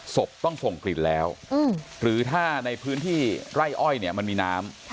ศพต้องส่งกลิ่นแล้วหรือถ้าในพื้นที่ไร่อ้อยเนี่ยมันมีน้ำ